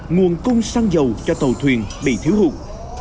nguồn cung xăng dầu cho tàu thuyền bị thiếu hụt